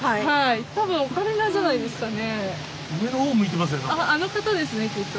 多分オカリナじゃないですかね？